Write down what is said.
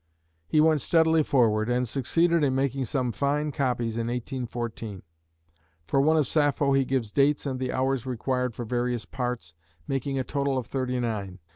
He went steadily forward and succeeded in making some fine copies in 1814. For one of Sappho he gives dates and the hours required for various parts, making a total of thirty nine.